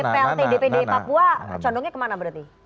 anda sebagai plt dpd papua condongnya kemana berarti